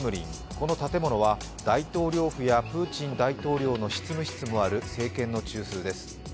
この建物は大統領府やプーチン大統領の執務室もある政権の中枢です。